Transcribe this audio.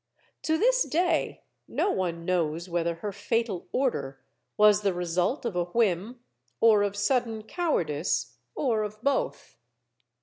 To this day no one knows whether her fatal order was the result of a whim or of sudden cowardice or of both.